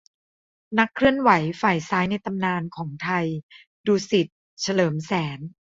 นักเคลื่อนไหวฝ่ายซ้ายในตำนานของไทย : ดุสิต เฉลิมแสน